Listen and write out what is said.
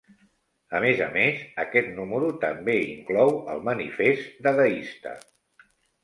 A més a més, aquest número també inclou el Manifest Dadaista.